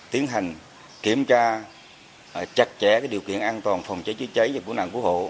tiến hành kiểm tra chặt chẽ điều kiện an toàn phòng cháy chế cháy và quân hạng của hộ